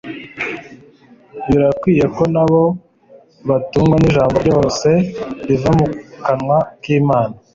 birakwiye ko nabo «batungwa n'ijambo ryose riva mu kanwa k'Imana.»